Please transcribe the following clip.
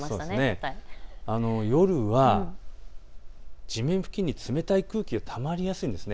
夜は地面付近に冷たい空気がたまりやすいんです。